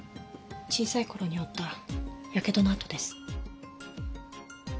小さいころに負ったやけどの痕です。